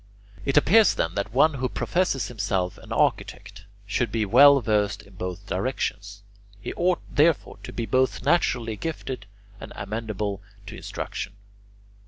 It appears, then, that one who professes himself an architect should be well versed in both directions. He ought, therefore, to be both naturally gifted and amenable to instruction.